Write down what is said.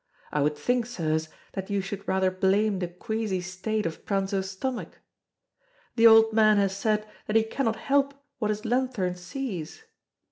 I would think, Sirs, that you should rather blame the queazy state of Pranzo's stomach. The old man has said that he cannot help what his lanthorn sees.